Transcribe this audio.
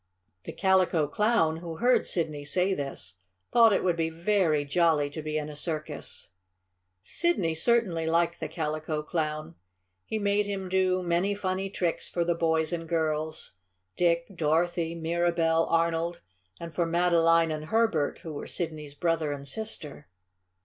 The Calico Clown, who heard Sidney say this, thought it would be very jolly to be in a circus. Sidney certainly liked the Calico Clown. He made him do many funny tricks for the boys and girls Dick, Dorothy, Mirabell, Arnold, and for Madeline and Herbert, who were Sidney's brother and sister.